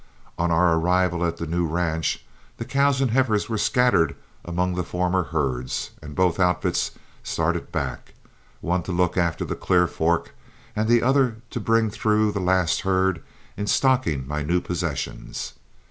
On our arrival at the new ranch, the cows and heifers were scattered among the former herds, and both outfits started back, one to look after the Clear Fork and the other to bring through the last herd in stocking my new possessions.